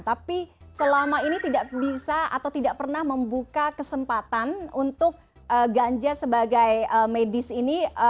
tapi selama ini tidak bisa atau tidak pernah membuka kesempatan untuk ganja sebagai medis ini